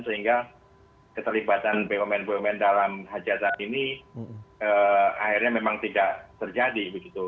sehingga keterlibatan bumn bumn dalam hajatan ini akhirnya memang tidak terjadi begitu